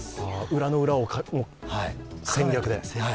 裏の裏をかく、戦略で。